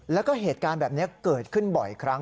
แล้วก็เหตุการณ์แบบนี้เกิดขึ้นบ่อยครั้ง